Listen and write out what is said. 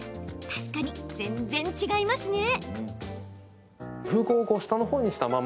確かに全然違いますね。